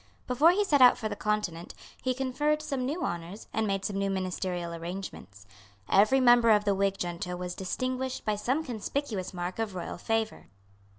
Before he set out for the Continent, he conferred some new honours, and made some new ministerial arrangements. Every member of the Whig junto was distinguished by some conspicuous mark of royal favour.